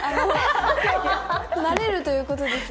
なれるということですよね？